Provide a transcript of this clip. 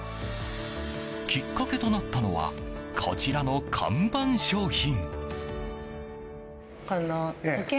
きっかけとなったのはこちらの看板商品。